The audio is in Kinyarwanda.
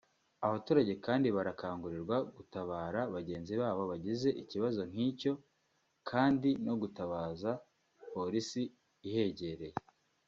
Abaturage kandi barakangurirwa gutabara bagenzi babo bagize ikibazo nk’icyo ndetse no kwitabaza polisi ihegreye